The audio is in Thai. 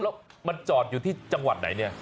แล้วมันจอดอยู่ที่จังหวัดไหนเนี่ย